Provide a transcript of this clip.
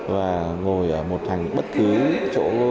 và ngồi ở một thành bất cứ chỗ